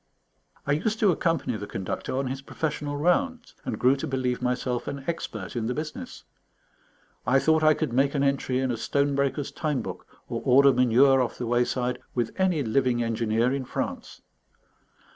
I used to accompany the Conductor on his professional rounds, and grew to believe myself an expert in the business. I thought I could make an entry in a stone breaker's time book, or order manure off the wayside with any living engineer in France.